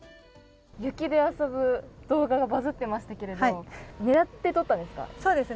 雪で遊ぶ動画がバズってましたけれど狙って撮ったんですか？